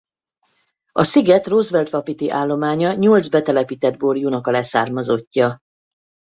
A sziget Roosevelt-vapiti állománya nyolc betelepített borjúnak a leszármazottja.